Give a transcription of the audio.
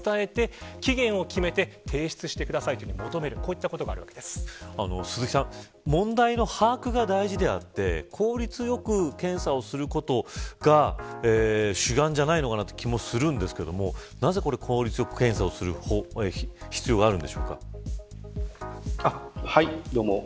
なぜ予告をするのか鈴木さん、問題の把握が大事であって効率よく検査をすることが主眼じゃないのかなという気もするんですがなぜ効率よく検査をする必要があるんでしょうか。